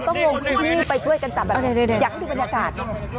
ต้องวงพวกนี้ไปด้วยกันจับอยากดูบรรยากาศ